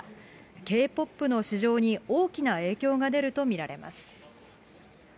Ｋ−ＰＯＰの市場に大きな影響が出ると見られます。